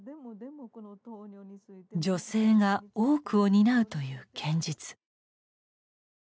女性が多くを担うという現実。